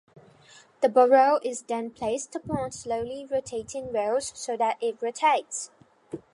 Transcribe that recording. The barrel is then placed upon slowly rotating rails so that it rotates.